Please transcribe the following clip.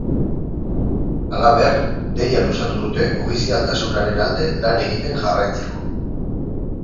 Halaber, deia luzatu dute ofizialtasunaren alde lan egiten jarraitzeko.